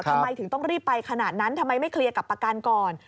ทำไมถึงต้องรีบไปขนาดนั้นทำไมไม่เคลียร์กับประกันก่อน